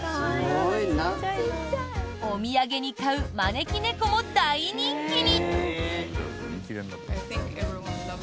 お土産に買う招き猫も大人気に！